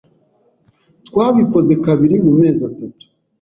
Twabikoze kabiri mu mezi atatu.